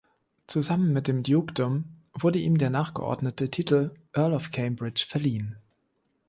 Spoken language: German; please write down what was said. Zusammen mit dem Dukedom wurde ihm der nachgeordnete Titel Earl of Cambridge verliehen.